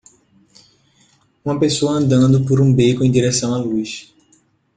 Uma pessoa andando por um beco em direção à luz.